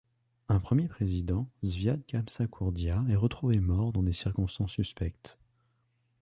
Un premier président, Zviad Gamsakhourdia est retrouvé mort dans des circonstances suspectes.